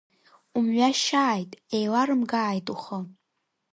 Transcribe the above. Умҩашьааит, еиларымгааит ухы.